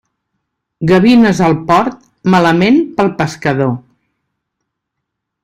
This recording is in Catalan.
Gavines al port, malament pel pescador.